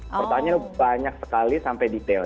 pertanyaannya banyak sekali sampai detail